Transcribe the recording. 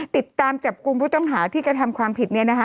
ติดตามจับกุมผู้ต้องหาที่กระทำความผิดนี้นะคะ